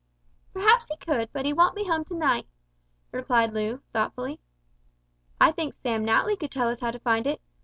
"Perhaps he could, but he won't be home to night," replied Loo, thoughtfully. "I think Sam Natly could tell us how to find it.